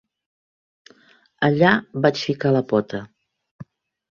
Allà vaig ficar la pota.